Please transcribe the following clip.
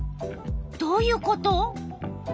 どういうこと？